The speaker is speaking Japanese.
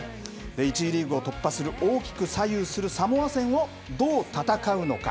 １次リーグを突破する大きく左右するサモア戦をどう戦うのか。